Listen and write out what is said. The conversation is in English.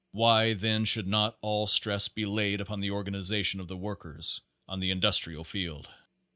Why then should not all stress be laid upon the organization of the workers on the in dustrial field